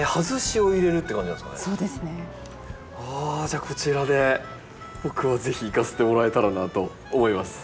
じゃあこちらで僕は是非いかせてもらえたらなと思います。